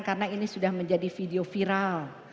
karena ini sudah menjadi video viral